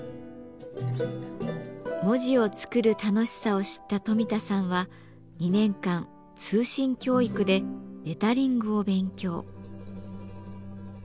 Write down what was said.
文字を作る楽しさを知った冨田さんは２年間通信教育でレタリングを勉強。